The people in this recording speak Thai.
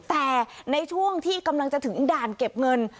แต่ในช่วงที่กำลังจะถึงด่านเก็บเงิน